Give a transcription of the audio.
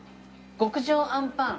極上あんぱん。